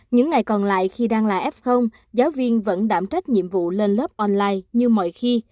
những ngày còn lại khi đang là f giáo viên vẫn đảm trách nhiệm vụ lên lớp online như mọi khi